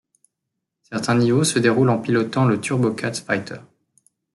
Certains niveaux se déroulent en pilotant le Turbokat Fighter.